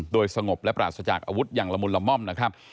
โดยสงบและปราศจากอาวุธอย่างละมุนละม่อมนะครับ